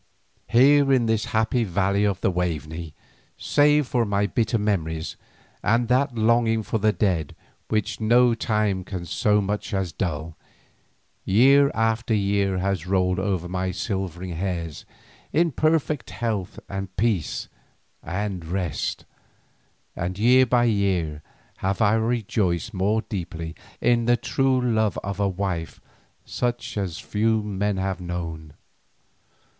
Here in the happy valley of the Waveney, save for my bitter memories and that longing for the dead which no time can so much as dull, year after year has rolled over my silvering hairs in perfect health and peace and rest, and year by year have I rejoiced more deeply in the true love of a wife such as few have known.